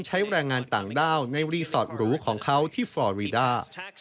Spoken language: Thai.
ใช้แรงงานต่างด้าวในรีสอร์ทหรูของเขาที่ฟอร์รีด้า